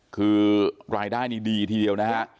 คือรายได้นี่ดีทีเดียวนะฮะ